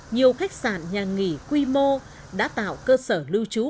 nhiều khách sạn nhà nghỉ quy mô đã tạo cơ sở lưu trú